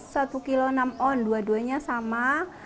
satu kilo enam on dua duanya sama